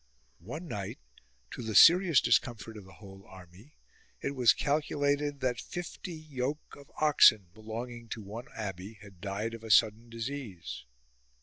One night, to the serious discomfort of the whole army, it was calculated that fifty yoke of oxen belonging to one abbey had died of a sudden disease.